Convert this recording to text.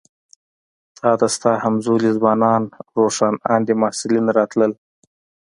تا ته ستا همزولي ځوانان روښان اندي محصلین راتلل.